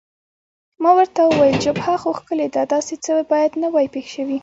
ما ورته وویل: جبهه خو ښکلې ده، داسې څه باید نه وای پېښ شوي.